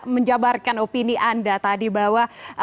menjabarkan opini anda tadi bahwa